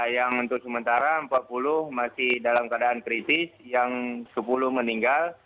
yang untuk sementara empat puluh masih dalam keadaan kritis yang sepuluh meninggal